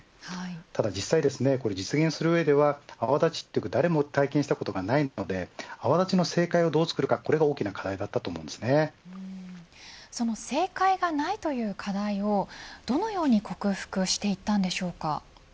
ただ実際ですね実現する上では泡立ちは誰も体験したことがないので泡立ちの正解をどう作るかこれが大きな課題だったとその正解がないという課題をどのように克服していったんでしょうか。